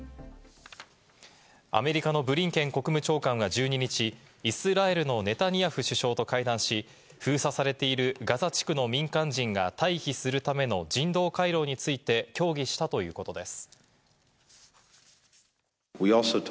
アメリカのブリンケン国務長官は１２日、イスラエルのネタニヤフ首相と会談し、封鎖されているガザ地区の民間人が退避するための人道回廊について協議したということです。